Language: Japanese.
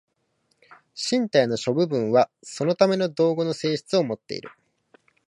身体の諸部分はそのための道具の性質をもっている。